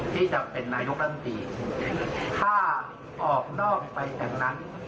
ที่จะเป็นนายกรัฐธรรมดีถ้าออกนอกไปจากนั้น